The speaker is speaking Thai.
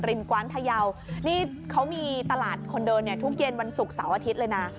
กว้านพยาวนี่เขามีตลาดคนเดินเนี่ยทุกเย็นวันศุกร์เสาร์อาทิตย์เลยนะ